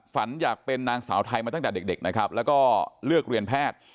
ฝันอยากเป็นนางสาวไทยมาตั้งแต่เด็กนะครับแล้วก็เลือกเรียนแพทย์